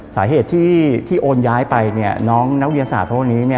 สาเหตุที่โอนย้ายไปน้องนักวิทยาศาสตร์พวกนี้